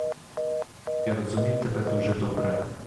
Я розумів тебе дуже добре.